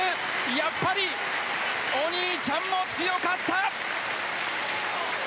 やっぱりお兄ちゃんも強かった！